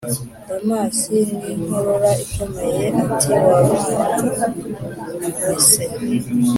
damas ninkorora ikomeye ati: wa mwana we se